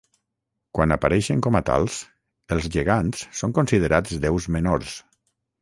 Quan apareixen com a tals, els gegants són considerats déus menors.